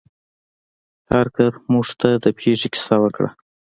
هارکر موږ ته د پیښې کیسه وکړه.